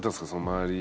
周り。